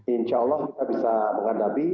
insya allah kita bisa menghadapi